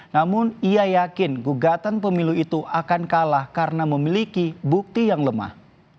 namun ia yakin gugatan pemilu itu akan kalah karena memiliki bukti yang lemah